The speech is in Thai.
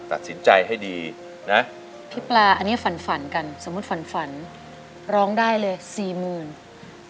ตัดสินใจให้ดีนะพี่ปลาอันนี้ฝันฝันกันสมมุติฝันฝันร้องได้เลยสี่หมื่น